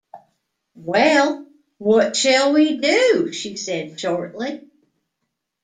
“Well, what shall we do?” she said shortly.